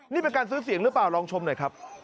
นี่เป็นการซื้อเสียงหรือเปล่าลองชมหน่อยครับ